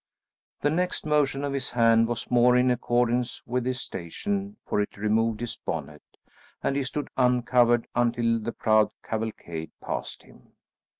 The next motion of his hand was more in accordance with his station, for it removed his bonnet, and he stood uncovered until the proud cavalcade passed him.